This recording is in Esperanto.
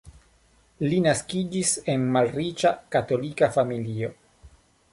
Li naskiĝis en malriĉa katolika familio.